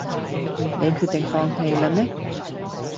你決定放棄啦咩